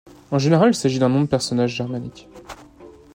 En général, il s'agit d'un nom de personne germanique.